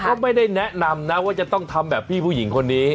ก็ไม่ได้แนะนำนะว่าจะต้องทำแบบพี่ผู้หญิงคนนี้